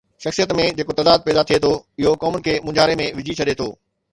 شخصيت ۾ جيڪو تضاد پيدا ٿئي ٿو اهو قومن کي مونجهاري ۾ وجهي ڇڏي ٿو.